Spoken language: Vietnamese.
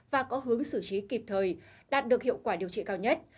và có hướng xử trí kịp thời đạt được hiệu quả điều trị cao nhất